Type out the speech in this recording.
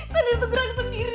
tadi itu gerak sendiri